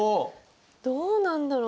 どうなんだろう？